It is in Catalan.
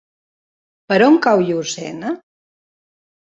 Per on cau Llucena?